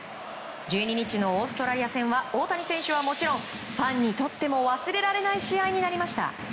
１２日のオーストラリア戦は大谷選手はもちろんファンにとっても忘れられない試合になりました。